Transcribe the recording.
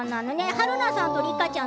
春菜さんと、梨花さん